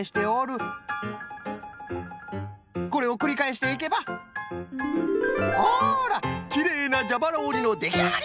これをくりかえしていけばあらきれいなじゃばらおりのできあがり！